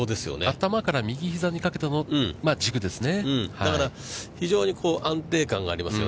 頭から右ひざにかけての軸ですね。